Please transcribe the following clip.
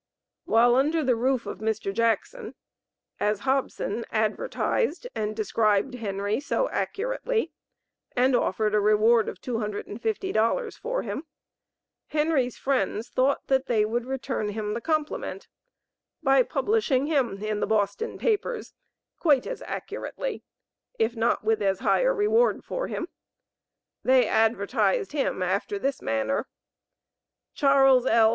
While under the roof of Mr. Jackson, as Hobson advertised and described Henry so accurately, and offered a reward of two hundred and fifty dollars for him, Henry's friends thought that they would return him the compliment by publishing him in the Boston papers quite as accurately if not with as high a reward for him; they advertised him after this manner: "Charles L.